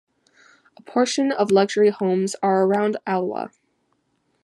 A portion of the luxury homes are around Alloa.